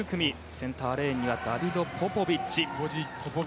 センターレーンにはダビド・ポポビッチ。